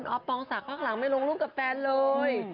ออฟปองศักดิ์ก็หลังไม่ลงรุ่งกับแฟนเลย